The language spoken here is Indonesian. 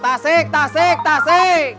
tasik tasik tasik